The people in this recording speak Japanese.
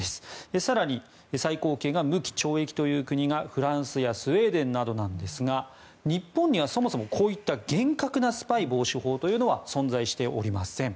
更に、最高刑が無期懲役という国がフランスやスウェーデンなどなんですが日本には、そもそもこういった厳格なスパイ防止法は存在しておりません。